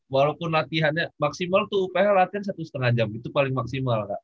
walaupun latihannya maksimal tuh upaya latihan satu setengah jam itu paling maksimal kak